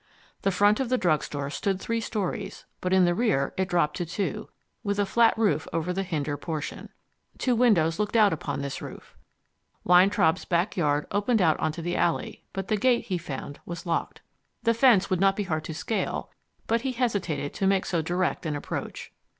The front of the drug store stood three storeys, but in the rear it dropped to two, with a flat roof over the hinder portion. Two windows looked out upon this roof. Weintraub's back yard opened onto the alley, but the gate, he found, was locked. The fence would not be hard to scale, but he hesitated to make so direct an approach.